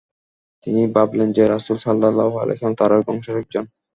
তিনি ভাবলেন যে, রাসূল সাল্লাল্লাহু আলাইহি ওয়াসাল্লাম তাঁরই বংশের একজন।